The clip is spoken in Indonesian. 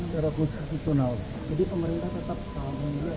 jadi pemerintah tetap menolak